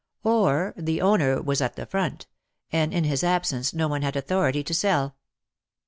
Or — the owner was "at the front," and in his absence no one had authority to sell.